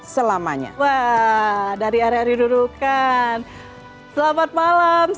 salman amin dari radio republik indonesia atau rri news